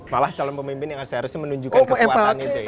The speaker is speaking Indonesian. malah calon pemimpin yang seharusnya menunjukkan kekuatan itu